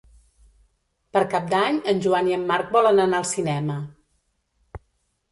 Per Cap d'Any en Joan i en Marc volen anar al cinema.